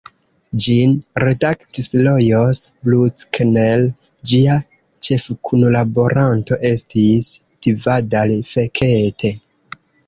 Ĝin redaktis Lajos Bruckner, ĝia ĉefkunlaboranto estis Tivadar Fekete.